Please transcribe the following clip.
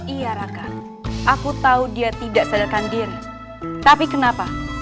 iya raka aku tahu dia tidak sadarkan diri tapi kenapa